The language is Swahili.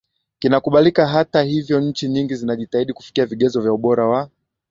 kinakubalika Hata hivyo nchi nyingi zinajitahidi kufikia vigezo vya ubora wa